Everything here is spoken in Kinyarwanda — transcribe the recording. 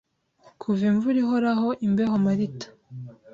Kuva imvura ihoraho imbeho malta